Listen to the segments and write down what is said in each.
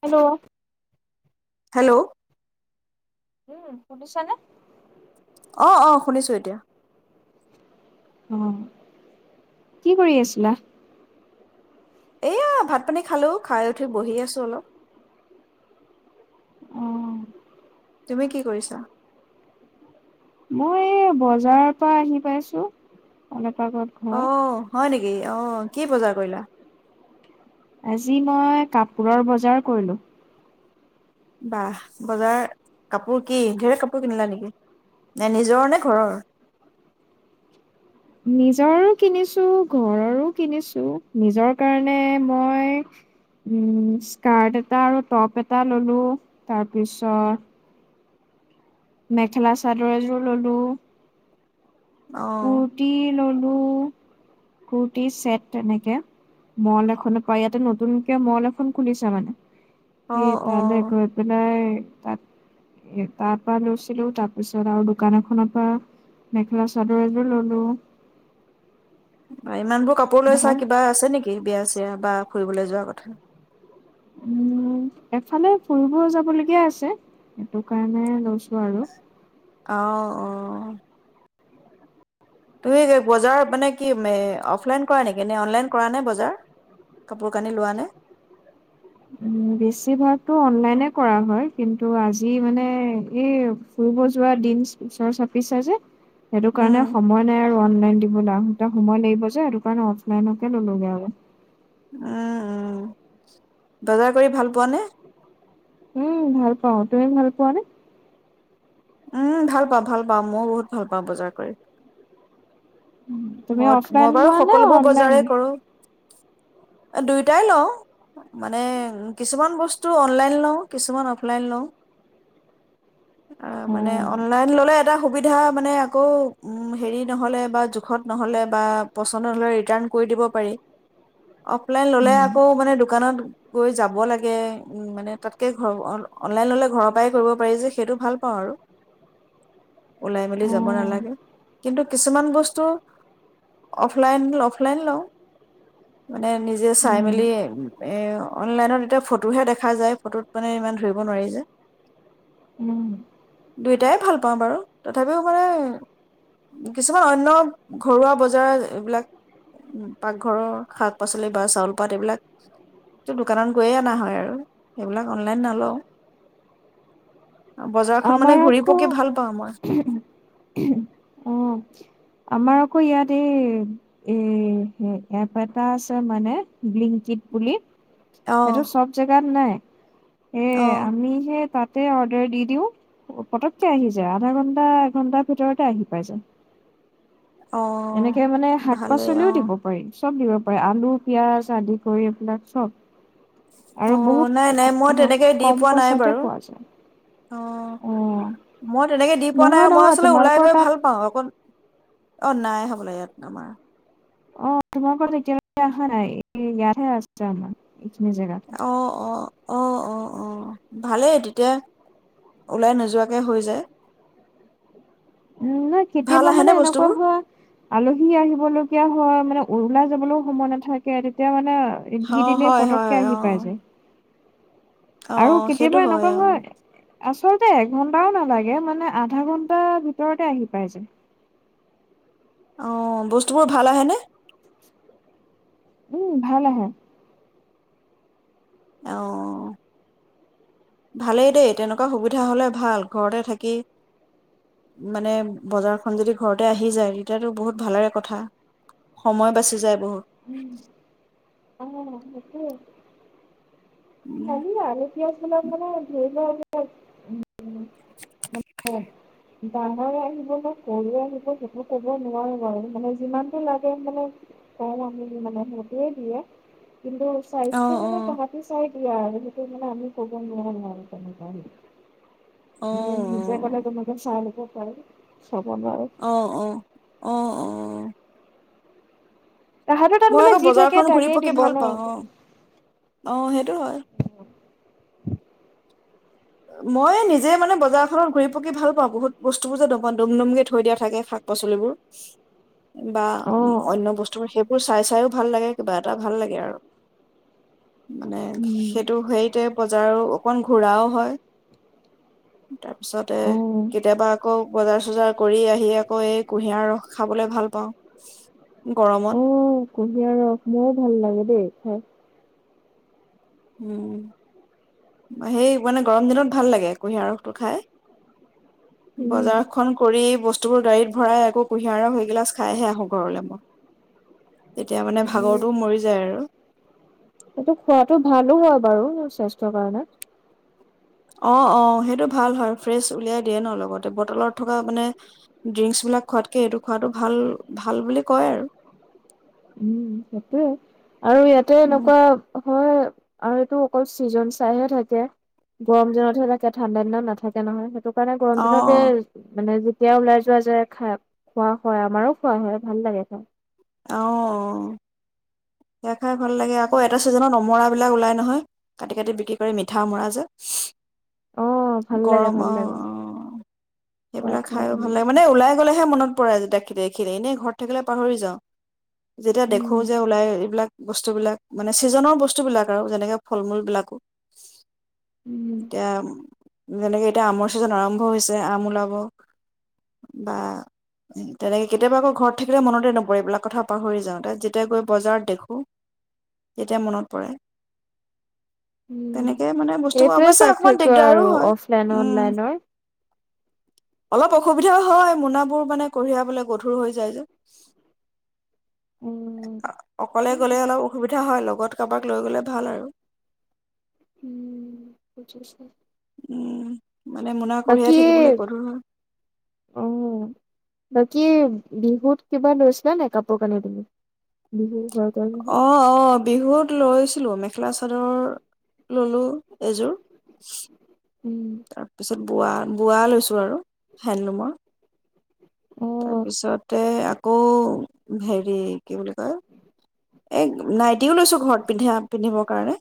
Hello hello. উম, শুনিচা নে? অ', অ', শুনিছোঁ, এতিয়া। অ', কি কৰি আছিলা? এয়া ভাত পানী খালোঁ, খাই উঠি বহি আছোঁ অলপ। অ তুমি কি কৰিছা? মই এই বজাৰৰ পৰা আহি পাইছোঁ, অলপ পাকঘৰত অ সোমাওঁ। হয় নেকি অ', কি বজাৰ কৰিলা? আজি মই কাপোৰৰ বজাৰ কৰিলোঁ। বাহ, বজাৰ কাপোৰ কি ঢেৰ কাপোৰ কিনিলা নেকি নে নিজৰ নে ঘৰৰ? নিজৰো কিনিছোঁ ঘৰৰো কিনিছোঁ নিজৰ কাৰণে মই উম, স্কাৰ্ট এটা আৰু টপ এটা ললোঁ তাৰ পিছত মেখেলা চাদৰ এযোৰ ললোঁ। অ কুৰ্তি ল লোঁ, কুৰ্তি ছেট এনেকে ম'ল এখন পৰা, ইয়াতে নতুনকে ম'ল এখন খুলিছে মানে। অ সেই অ তালে গৈ পেলাই। তাত তাৰ পৰা লৈছিলোঁ তাৰ পিছত আৰু দোকান এখনৰ পৰা মেখেলা চাদৰ এযোৰ ললোঁ। বা ইমানবোৰ কাপোৰ লৈচা কিবা আছে নেকি? বিয়া চিয়া বা ফুৰিবলৈ যোৱা কথা। উম, এফালে ফুৰিব যাবলগীয়া আছে সেইটো কাৰণে লৈছোঁ আৰু অ', অ'। তুমি বজাৰত মানে, কি অফলাইন কৰা নেকি? নে অনলাইন কৰা নে বজাৰ? কাপোৰ কানি লোৱা নে? উম বেছিভাগতো অনলাইনে কৰা হয় কিন্তু আজি মানে, এই ফুৰিব যোৱা দিন ওচৰ চাপিছে যে। সেইটো উম কাৰণে সময় নাই আৰু অনলাইন দিবলৈ আহ এটা সময় লাগিব যে, সেইটো কাৰণে অফলাইনকে ল'লোগে আৰু। উম, উম বজাৰ কৰি ভাল পোৱা নে? উমম ভাল পাওঁ তুমি ভাল পোৱানে? উমম ভালপাওঁ - ভালপাওঁ মইও বহুত ভাল পাওঁ বজাৰ কৰি। তুমি মই মই অফলাইন লোৱা নে অনলাইন? দুইটাই লওঁ, মানে কিছুমান বস্তু অনলাইন লওঁ, কিছুমান অফলাইন লওঁ। অ', মানে অনলাইন ললে এটা সু সুবিধা মানে আকৌ, হেৰি নহ'লে বা জ জোখত নহ'লে বা পচন্দ নহ'লে ৰিটাৰ্ণ কৰি দিব পাৰি। অফলাইন ল'লে আকৌ মানে দোকানত গৈ যাব লাগে মানে তাতকৈ [unintelligible] অনলাইন ল'লে ঘৰৰ পৰাই কৰিব পাৰি যে সেইটো ভাল পাওঁ আৰু, ওলাই মেলি যাব নালাগে, কিন্তু কিছুমান বস্তু অফলাইন - অফলাইন লওঁ, মানে নিজে চাই মেলি- এ অনলাইনত এতিয়া ফটোহে দেখা যায় ফটোত মানে ইমান ধৰিব নোৱাৰি যে, দুইটাই ভাল পাওঁ বাৰু তথাপিও মানে, কিছুমান অন্য ঘৰুৱা বজাৰ এইবিলাক, পাকঘৰৰ শাক পাচলি বা চাউল পাত এইবিলাক, তো দোকানত গৈয়ে অনা হয় আৰু সেই বিলাক অনলাইন নলওঁ। বজাৰখন মানে আমাৰ ঘূৰি আকৌ পকি ভাল পাওঁ মই [unintelligible] আমাৰ আকৌ ইয়াত, এই -এ-এই এপ এটা আছে মানে, ব্লিংকিত বুলি অ সেইটো চব জেগাত নাই। এ অ'। আমি [unintelligible] অৰ্ডাৰ দি দিওঁ। পতককে আহি যায় আধা ঘন্টা এঘন্টাৰ ভিতৰতে আহি পাই যায়। অ এনেকে মানে ভালেই অ শাক-পাচলিও দিব পাৰি? চব দিব পাৰে আলু, পিয়াজ আদি কৰি এইবিলাক চব। অ আৰু বহুত নাই নাই মই তেনেকে দি ক-ক-কম পোৱা নাই পইচাতে বাৰু পোৱা যায়। অ', অ' মই তেনেকে দি পোৱা নাই নহয় মই নহয় আচলতে ওলাই তোমালোকৰ গৈ তাত ভাল পাওঁ, অকন অ', নাই হ'বলা ইয়াত আমাৰ। অ', তোমালোকৰত তেতিয়ালৈকে অহা নাই ইয়াতহে আছে আমাৰ। এইখিনি জেগাটো অ অ অ অ অ', ভালেই তেতিয়া, ওলাই নোযোৱাকে হৈ যায়। উম নহয় ভাল কেতিয়াবা আহে মানে নে এনেকুৱা বস্তুবোৰ হয়, আলহী আহিবলগীয়া হয় মানে ওলাই যাবলৈও সময় নাথাকে তেতিয়া মানে অ একেদিনাই হয় হয় পতককে অ আহি পাই যায়। অ আৰু সেইটো কেতিয়াবা এনেকুৱা অ হয়, আছ আচলতে এঘণ্টাও নালাগে মানে আধা ঘণ্টা ভিত ঘৰতে আহি পাই যায়। অ', বস্তুবোৰ ভাল আহেনে? উম, ভাল আহে। অ', ভালেই দেই তেনেকুৱা সুবিধা হ'লে ভাল ঘৰতে থাকি মানে বজাৰখন যদি ঘৰতে আহি যায় তেতিয়াতো বহুত ভালেৰে কথা সময় বাচি যায়। বহুত উম, অ'। উম। আহিলা আৰু পিঁয়াজ চলপ মানে ধৰি ল- অ'। [inaudible] ডাঙৰে আহিব ন' সৰুৱে আহিব সেইটো ক'ব নোৱাৰো বাৰু মানে যিমানতটো লাগে মানে কম আমি মানে সেইটোৱে দিয়ে। কিন্তু চাইজ অ অ মানে তাহতি চাই স, আৰু সেইটো মানে আমি ক'ব নোৱাৰো আৰু তেনেকুৱা। অ উম। [unintelligible] হয়। অ', অ', অ', অ'। তাহাঁতৰ তাত মই মানে আকৌ যি থাকে বজাৰখন ঘুৰি তাকেই পকি দিব ভাল ন পাওঁ অ', অ', সেইটো হয়। মই নিজে মানে বজাৰখনত ঘুৰি পকি ভাল পাওঁ বহুত বস্তুবোৰ যেম পাওঁ ডুম-ডুমকে থৈ দিয়া থাকে শাক-পাচলিবোৰ। বা অ', অন্য বস্তুবোৰ সেই বোৰ চাই চাইও ভাল লাগে কিবা এটা ভাল লাগে আৰু। মানে উম সেইটো হেৰিতে বজাৰো অকন ঘূৰাও হয়। তাৰ পিছতে অ কেতিয়াবা আকৌ বজাৰ, চজাৰ কৰি আহি আকৌ এই কুঁহিয়াৰ ৰস খাবলৈ ভাল পাওঁ। গৰমত অ', কুঁহিয়াৰ ৰস, মোৰো ভাল লাগে দেই খাই। উম, সেই মানে গৰম দিনত ভাল লাগে কুঁহিয়াৰা ৰসটো খাই। উম বজাৰখন কৰি বস্ত বস্তুবোৰ গাড়ীত ভৰাই আকৌ কুঁহিয়াৰ ৰস এগিলাছ খাইহে আহোঁ ঘৰলে মই। তেতিয়া মানে অ ভাগৰটোও মৰি যায় আৰু। সেইটো খোৱাটো ভালো হয় বাৰু স্বাস্থ্যৰ কাৰণে। অ', অ', সেইটো ভাল হয় ফ্ৰেচ উলিয়াই দিয়ে ন লগতে, বটলত থকা মানে ড্ৰিংকচ বিলাক খোৱাতকে সেইটো খোৱটো ভাল, ভাল বুলি কয় আৰু। সেইটোয়ে আৰু ইয়াতে উম, এনেকুৱা হয়। আৰু এইটো অকল ছিজন চাইহে থাকে, গৰম দিনতহে থাকে ঠাণ্ডা দিনত নাথাকে নহয় সেইটো কাৰণে গৰম দিনতে অ', মানে যি যেতিয়া ওলাই যোৱা যায় খাই, খোৱা হয়, আমাৰো খোৱা হয় ভাল লাগে খাই। অ'। খাই ভাল লাগে, আকৌ এটা উম। ছিজনত অমৰা এইবিলাক ওলাই নহয় কাটি, কাটি বিক্ৰী কৰে মিঠা অমৰা যে। অ', ভাল লাগে গৰম ভাল লাগে অ'অ' সেইবিলাক খাইও ভাল লাগে মানে ওলাই গলেহে মনত অপৰাজিতাক দেখিলে এনেই ঘৰত থাকিলে পাহৰি যাওঁ। যেতিয়া দেখো উম, যে ওলায় এইবিলাক বস্তুবিলাক মানে চিজনৰ বস্তুবিলাক আৰু যেনেকে ফল-মূল বিলাক। উম। এতিয়া যেনেকে এতিয়া আমৰ ছিজন আৰম্ভ হৈছে। আম ওলাব বা তেনেকে কেতিয়াবা আকৌ ঘৰত থাকিলে মনতে নপৰে এইবিলাক। কথা পাহৰি যাওঁ। যেতিয়া গৈ বজাৰত দেখো তেতিয়া মনত পৰে। উম তেনেকে মানে বস্তুবোৰ এইটোৱে অৱশ্যে অকমান পাৰ্থক্য দিগদাৰো আৰু হয় অফলাইনৰ উম অনলাইনৰ। অলপ অসুবিধাও হয় মোনাবোৰ মানে কঢ়িয়াবলে গধুৰ হৈ যায় যে। উম, অকলে গ'লে অলপ অসুবিধা হয় অলপ। লগত কাৰোবাক লৈ গ'লে ভাল আৰু উম বুজিছো। উম। মানে মোনা বাকী কঢ়িয়াই থাকিবলৈ গধুৰ হয় উম বাকী বিহুত কিবা লৈছিলা নে কাপোৰ কানি তুমি। বিহুৰ অ' অ' বিহুত লৈছিলো মেখেলা চাদৰ। ললোঁ এযোৰ। উম তাৰ পিছত বোৱা বোৱা লৈছোঁ আৰু হেণ্ডলুমৰ তাৰ অ', পিছতে গো হেৰি কি বুলি কয় এ নাইটিও লৈছো ঘৰত পিন্ধা পিন্ধিবৰ কাৰণে।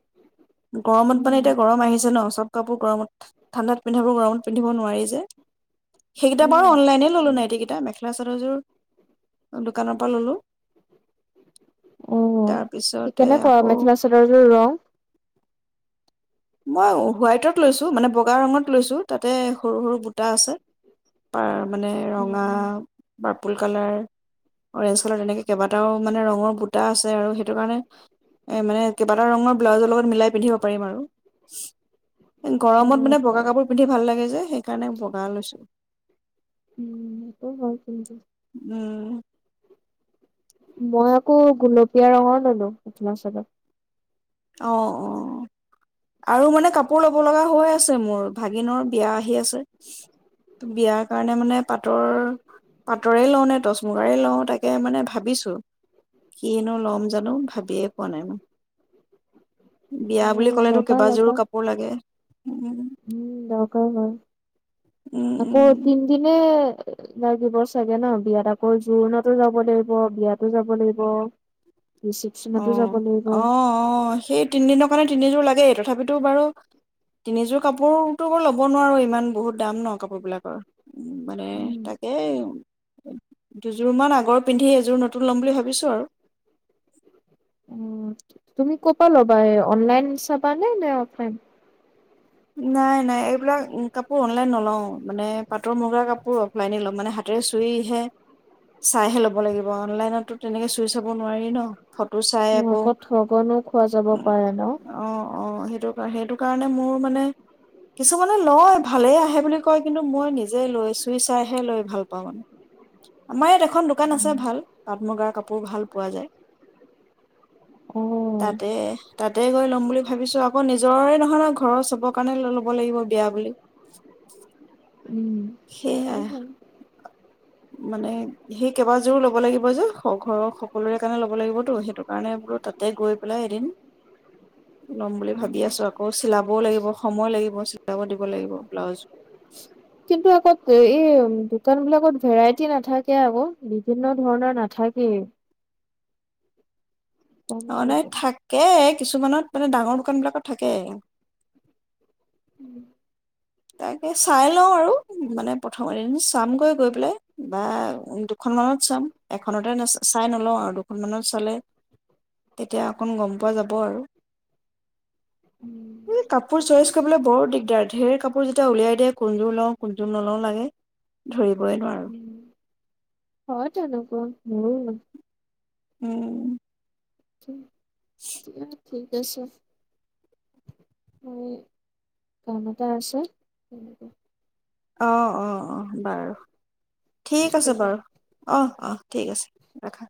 গৰমত মানে উম এতিয়া গৰম আহিছে ন চব কাপোৰ গৰমত ঠাণ্ডাত পিন্ধাব, গৰমত পিন্ধিব নোৱাৰি যে, সেইকেইটা বাৰু অনলাইনে ল'লো হয়। নাইটি কেইটা, মেখ লা চাদৰযোৰ দোকানৰ পৰা ল'লো। অ', তাৰপিছতে কেনেকুৱা আকৌ মেখেলা চাদৰযোৰ ৰং? মই হোৱাইটত লৈছো, মানে বগা ৰঙত লৈছো, তাতে সৰু সৰু বুটা আছে, পাৰ মানে অ ৰঙা অ', পাৰ্পল কালাৰ, অৰেঞ্জ কালাৰ তেনেকে কেইবাটাও মানে ৰঙৰ বুটা আছে আৰু সেইটো কাৰণে এ মানে কেইবাটা ৰঙৰ ব্লাউজৰ লগত মিলাই পিন্ধিব পাৰিম আৰু। এ গৰমত অ', মানে বগা তাৰ কাপোৰ পিন্ধি ভাল লাগে যে। সেইকাৰণে বগা লৈছো। উম, সেইটো হয় কিন্তু। উম। মই আকৌ গুলপীয়া ৰঙৰ ল'লো মেখেলা-চাদৰ। অ', অ' আৰু মানে কাপোৰ ল'ব লগা হৈ আছে মোৰ, ভাগিনৰ বিয়া আহি আছে, বিয়াৰ কাৰণে মানে পাটৰ, পাটৰে লওঁ নে টচ মুগাৰে লওঁ, তাকে মানে ভাবিছো, কিনো ল'ম জানো ভাবিয়ে পোৱা নাই মই। অ বিয়া বুলি ক'লেতো ল'বা ল'বা কেইবাযোৰো কাপোৰ লাগে। উম। উম, দৰকাৰ হয়। উম উম আকৌ তিন দিনে লাগিব চাগে ন, বিয়াত আকৌ জোৰোণতো যাব লাগিব, বিয়াতো যাব লাগিব। ৰিচিপচনতো অ', যাব লাগিব অ', অ', সেই তিনিদিনৰ কাৰণে তিনিযোৰ লাগেই, তথাপি টো বাৰু তিনিযোৰ কাপোৰতোবো ল'ব নোৱাৰো, ইমান বহুত দাম ন কাপোৰ বিলাকৰ। মানে উম তাকেই দুযোৰ মান আগৰ পিন্ধি এযোৰ নতুন ল'ম বুলি ভাবিছো আৰু। অ', তুমি ক'ৰ পা ল'বা, এ অনলাইন চাবা নে অফলাইন? নাই নাই এইবিলাক কাপোৰ অনলাইন নলওঁ, মানে পাটৰ-মুগাৰ কাপোৰ অফলাইনে ল'ম, মানে হাতেৰে চুইহে, চাইহে ল'ব লাগিব। অনলাইনতটো তেনেকে চুই চাব নোৱাৰি ন? ফটো চাই আকৌ ঠগনো খোৱা যাব পাৰে ন'। অ অ', সেইটো কাৰ, সেইটো কাৰণে মোৰ মানে কিছুমানে লয় ভালেই আহে বুলি কয় কিন্তু মই নিজে লৈ চুই চাইহে লৈ ভাল পাওঁ মানে আমাৰ দেখু এখন দোকান আছে উম, ভাল, পাট-মুগাৰ কাপ কাপোৰ ভাল পোৱা যায়। অ', তাতে তাতে গৈ ল'ম। বুলি ভাবিছো আকৌ নিজৰে নহয় ন, ঘ ঘৰ চবৰ কাৰণে ল'ব লাগিব বিয়া বুলি। উম, সেইটো সেইয়াই, হয়। মানে সেই কেইবাযোৰো ল'ব লাগিব যে, ঘৰৰ সকলোৰে কাৰণে ল'ব লাগিবতো, সেইটো কাৰণে বোলো তাতে গৈ পেলাই এদিন ল'ম বুলি ভাবি উম। আছো, আকৌ চিলাবও লাগিব সময় লাগিব চিলাব দিব লাগিব ব্লাউজ। কিন্তু আকৌ এই দোকান বিলাকত ভেৰাইটি নাথাকে আকৌ বিভিন্ন ধৰণৰ নাথাকেই। অ', নাই থাকে কিছুমানত মানে ডাঙৰ দোকান বিলাকত থাকে। উম, তাকে চাই লওঁ আৰু মানে প্ৰথম এদিন চামগৈ গৈ পেলাই বা দুখনমানত চাম এখনতে না চাই নলওঁ আৰু দুখনমানত চালে তেতিয়া অকণ গম পোৱা যাব আৰু। উম, এ কাপোৰ সেইটোৱে চইচ হয় কৰিবলৈ বৰ দিগদাৰ। হেৰ কাপ আপোৰ যেতিয়া উলিয়াই এ কোনযোৰ লওঁ কোনযোৰ নলওঁ লাগে ধৰিবই নোৱাৰো। উম, হয় তেনেকুৱা মোৰো উম। চে ঠিক। আছে, মই কাম এটা আছে তেনেকে অ', অ'। অ', বাৰু, ঠিক আছে ৰাখিছোঁ। বাৰু, অ', অ', ঠিক আছে ৰাখা।